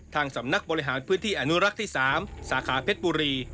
สำนักบริหารพื้นที่อนุรักษ์ที่๓สาขาเพชรบุรี